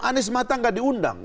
anies mata tidak diundang